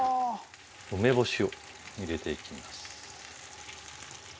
梅干しを入れていきます。